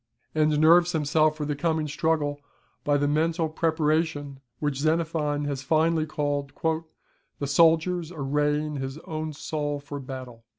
] and nerves himself for the coming struggle by the mental preparation which Xenophon has finely called "the soldier's arraying his own soul for battle."